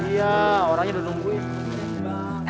iya orangnya udah nungguin